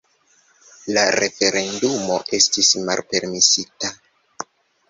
La referendumo estis malpermesita.